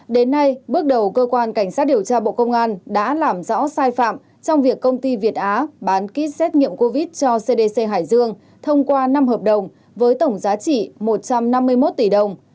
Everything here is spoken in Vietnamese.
đến nay bước đầu cơ quan cảnh sát điều tra bộ công an đã làm rõ sai phạm trong việc công ty việt á bán ký xét nghiệm covid cho cdc hải dương thông qua năm hợp đồng với tổng giá trị một trăm năm mươi một tỷ đồng